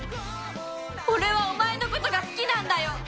俺はお前のことが好きなんだよ。